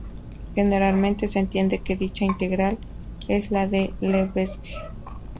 Generalmente, se entiende que dicha integral es la de Lebesgue.